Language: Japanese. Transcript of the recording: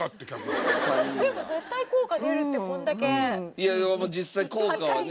いや実際効果はね。